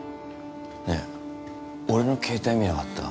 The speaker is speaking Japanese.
ねえ俺の携帯見なかった？